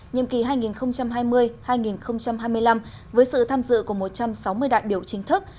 nhiệm kỳ hai nghìn hai mươi hai nghìn hai mươi năm với sự tham dự của một trăm sáu mươi đại biểu chính thức